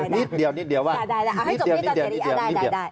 นิดเดี๋ยวนิดเดี๋ยวว่านิดเดี๋ยวนิดเดี๋ยวนิดเดี๋ยว